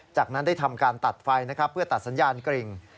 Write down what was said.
จากนั้นได้ทำการตัดไฟนะครับเพื่อตัดสัญญาณกริ่ง